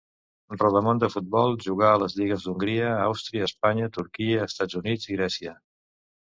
Rodamón del futbol, jugà a les lligues d'Hongria, Àustria, Espanya, Turquia, Estats Units i Grècia.